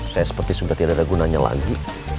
saya seperti sudah tidak ada gunanya lagi